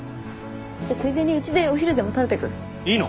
じゃあついでにうちでお昼でも食べてく？いいの？